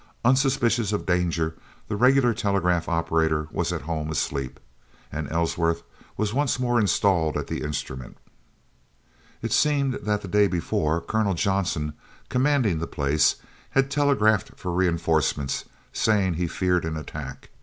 Unsuspicious of danger the regular telegraph operator was at home asleep, and Ellsworth was once more installed at the instrument. It seemed that the day before Colonel Johnson, commanding the place, had telegraphed for reinforcements, saying he feared an attack.